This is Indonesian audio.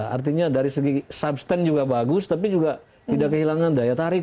artinya dari segi substan juga bagus tapi juga tidak kehilangan daya tarik